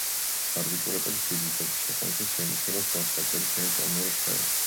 ბარბიტურატების დიდი დოზის შეყვანისას შეინიშნება თვალს კაკლების ნელი ტონური რხევა.